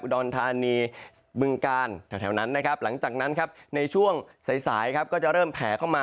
ดอนทานีมึงกาลแถวนั้นหลังจากนั้นในช่วงสายก็จะเริ่มแผ่เข้ามา